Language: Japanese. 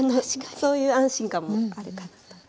そういう安心感もあるかなと。